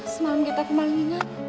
semalam kita kemalinginnya